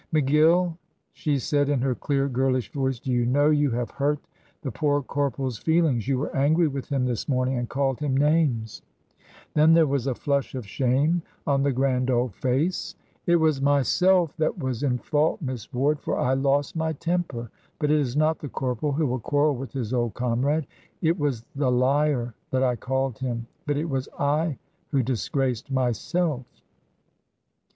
"McGill," she said, in her clear, girlish voice, "do you know you have hurt the poor corporal's feelings. You were angry with him this morning, and called him names." Then there was a flush of shame on the grand old face. "It was myself that was in fault, Miss Ward, for I lost my temper. But it is not the corporal who will quarrel with his old comrade. It was the liar that I called him, but it was I who disgraced myself."